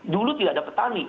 dulu tidak ada petani